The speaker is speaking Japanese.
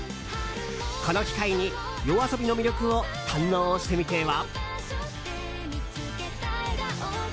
この機会にＹＯＡＳＯＢＩの魅力を堪能してみては。